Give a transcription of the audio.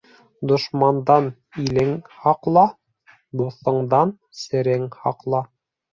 Дошмандан илең һаҡла, дуҫыңдан серең һаҡла.